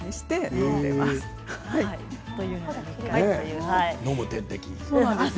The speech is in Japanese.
飲む点滴。